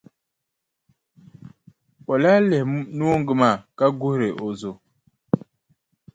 O lahi lihi noongu maa ka guhiri o zo.